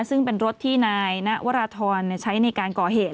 ซึ่งเป็นรถที่นายณวราธรใช้ในการก่อเหตุ